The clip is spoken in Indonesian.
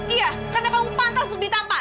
iya karena kamu pantas untuk ditampar